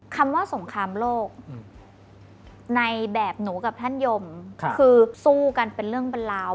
คำว่าสงครามโลกในแบบหนูกับท่านยมคือสู้กันเป็นเรื่องเป็นราว